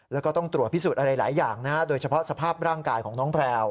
แล้วก็ต้องตรวจพิสูจน์อะไรหลายอย่างนะฮะโดยเฉพาะสภาพร่างกายของน้องแพลว